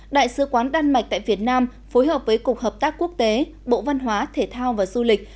đại sứ quán đan mạch tại việt nam phối hợp với cục hợp tác quốc tế bộ văn hóa thể thao và du lịch